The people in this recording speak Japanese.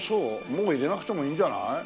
もう入れなくてもいいんじゃない？